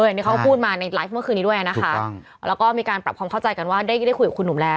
อันนี้เขาก็พูดมาในไลฟ์เมื่อคืนนี้ด้วยนะคะแล้วก็มีการปรับความเข้าใจกันว่าได้คุยกับคุณหนุ่มแล้ว